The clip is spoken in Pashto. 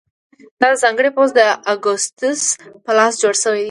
دا ځانګړی پوځ د اګوستوس په لاس جوړ شوی و.